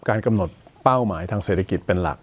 กำหนดเป้าหมายทางเศรษฐกิจเป็นหลัก